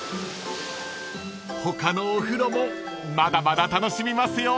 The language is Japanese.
［他のお風呂もまだまだ楽しみますよ］